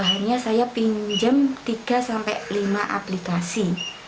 hanya saya pinjam tiga sampai lima aplikasi